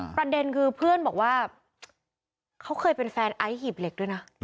ประเด็นคือเพื่อนบอกว่าเขาเคยเป็นแฟนไอซ์หีบเหล็กด้วยนะ